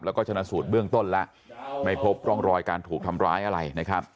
แล้วก็ชนะสูตรเบื้องต้นแล้วไม่พบร่องรอยการถูกทำร้ายอะไรนะครับ